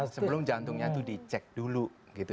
sebelum jantungnya itu dicek dulu gitu